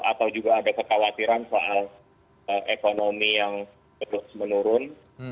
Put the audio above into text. atau juga ada kekhawatiran soal ekonomi yang terus menurun